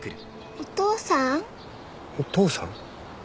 お父さん？